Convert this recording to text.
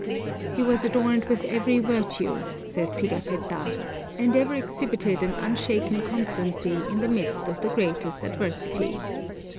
"He was adorned with every virtue," says Pigafetta, "and ever exhibited an unshaken constancy in the midst of the greatest adversity.